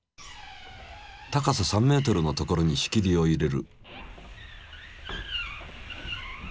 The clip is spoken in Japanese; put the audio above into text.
高さ３ｍの所に仕切りを入れる。